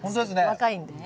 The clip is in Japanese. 若いんでね。